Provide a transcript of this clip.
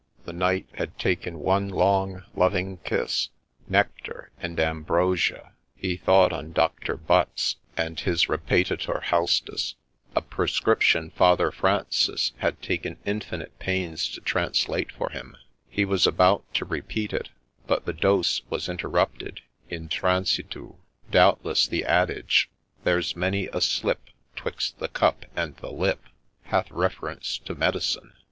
The knight had taken one long, loving kiss — nectar and ambrosia ! He thought on Doctor Butts and his repetatur haustus, — a prescription Father Francis had taken infinite pains to translate for him : he was about to repeat it, but the dose was interrupted in transitu. — Doubtless the adage, ' There 's many a slip 'Twixt the cup and the lip,' • hath reference to medicine.